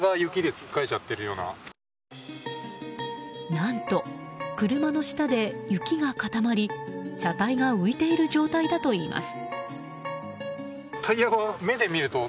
何と、車の下で雪が固まり車体が浮いている状態だといいます。